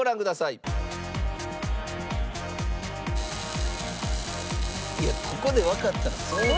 いやここでわかったら相当。